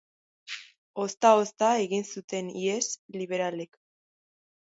Ozta-ozta egin zuten ihes liberalek.